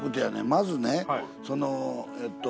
まずねそのえっと。